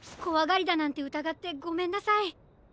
こわがりだなんてうたがってごめんなさい！